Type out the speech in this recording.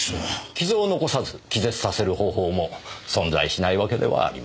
傷を残さず気絶させる方法も存在しないわけではありません。